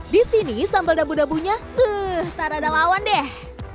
disini sambal dabu dabunya tada ada lawan deh